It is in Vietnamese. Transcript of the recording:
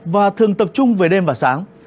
và thường tập trung về đêm và sáng